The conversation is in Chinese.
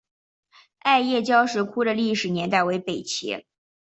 艾叶交石窟的历史年代为北齐。